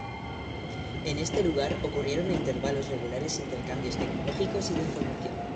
En este lugar, ocurrieron a intervalos regulares intercambios tecnológicos y de información.